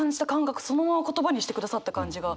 そのまま言葉にしてくださった感じがあって。